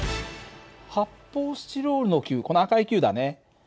発泡スチロールの球この赤い球だね。